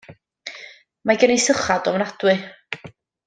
Mae gen i sychad ofnadwy.